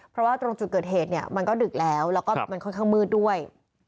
เพราะว่าตรงจุดเกิดเหตุเนี่ยมันก็ดึกแล้วแล้วก็มันค่อนข้างมืดด้วย